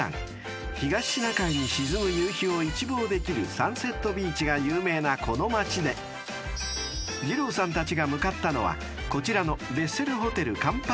［東シナ海に沈む夕日を一望できるサンセットビーチが有名なこの街で二朗さんたちが向かったのはこちらの］